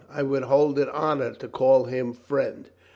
I would hold it honor to call him friend.